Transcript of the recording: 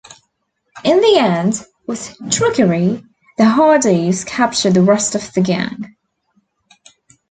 In the end, with trickery the Hardys capture the rest of the gang.